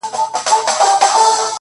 خدايه زه ستا د طبيعت په شاوخوا مئين يم;